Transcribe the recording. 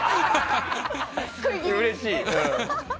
うれしいね。